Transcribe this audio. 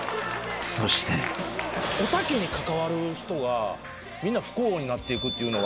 ［そして］おたけに関わる人がみんな不幸になっていくっていうのが。